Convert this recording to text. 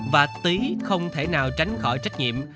và tí không thể nào tránh khỏi trách nhiệm